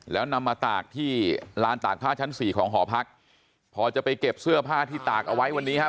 แล้วนำมาตากที่ลานตากผ้าชั้นสี่ของหอพักพอจะไปเก็บเสื้อผ้าที่ตากเอาไว้วันนี้ครับ